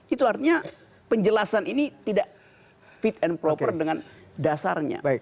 itu artinya penjelasan ini tidak fit and proper dengan dasarnya